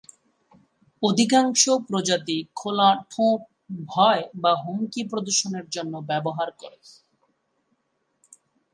অধিকাংশ প্রজাতি খোলা ঠোঁট ভয় বা হুমকি প্রদর্শনের জন্য ব্যবহার করে।